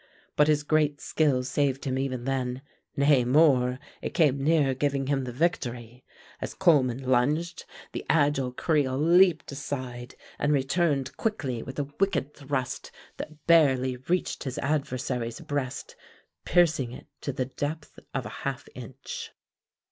But his great skill saved him even then; nay, more, it came near giving him the victory. As Coleman lunged, the agile creole leaped aside and returned quickly with a wicked thrust that barely reached his adversary's breast, piercing it to the depth of a half inch.